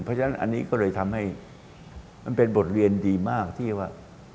เพราะฉะนั้นอันนี้ก็เลยทำให้มันเป็นบทเรียนดีมากที่ว่า